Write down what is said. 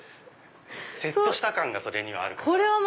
セットした感がそれにはあるから。